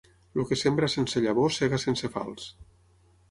El que sembra sense llavor sega sense falç.